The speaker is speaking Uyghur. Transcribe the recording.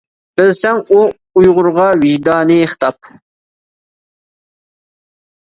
بىلسەڭ ئۇ ئۇيغۇرغا ۋىجدانىي خىتاب!